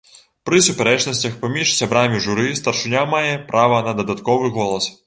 Пры супярэчнасцях паміж сябрамі журы старшыня мае права на дадатковы голас.